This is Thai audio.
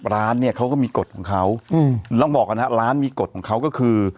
ร้านเนี่ยเขาก็มีกฎของเขาต้องบอกก่อนนะฮะร้านมีกฎของเขาก็คือ